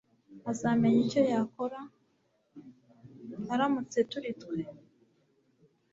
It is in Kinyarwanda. Azamenya icyo yakora aramutse turi twe